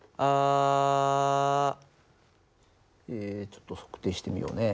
えちょっと測定してみようね。